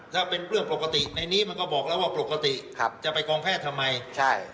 ถ้าเป็นเรื่องปกติในนี้มันก็บอกแล้วว่าปกติครับจะไปกองแพทย์ทำไมใช่